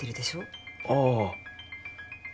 ああ。